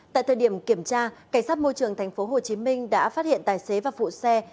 tại thời điểm kiểm tra cảnh sát môi trường tp hcm đã phát hiện tài xế và phụ xe